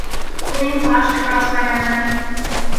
The name flashed across my memory.